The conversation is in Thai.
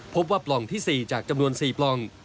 ปล่องที่๔จากจำนวน๔ปล่อง